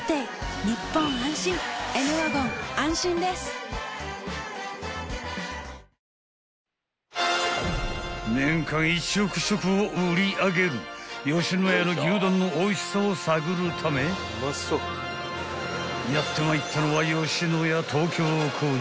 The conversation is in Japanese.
「アサヒスーパードライ」［年間１億食を売り上げる野家の牛丼のおいしさを探るためやってまいったのは］